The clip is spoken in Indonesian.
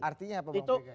artinya apa pak